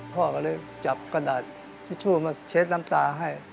พ่อก็เลยจับกระดาษทิชชู่มาเช็ดน้ำตาให้